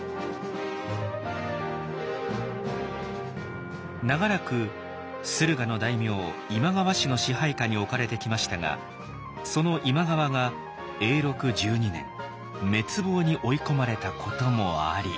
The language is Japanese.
三河の隣長らく駿河の大名今川氏の支配下に置かれてきましたがその今川が永禄１２年滅亡に追い込まれたこともあり。